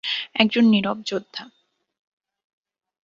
একজন নীরব যোদ্ধা।